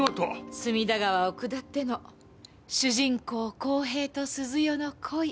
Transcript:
隅田川を下っての主人公康平と鈴代の恋。